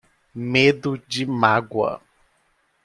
Medo de mágoa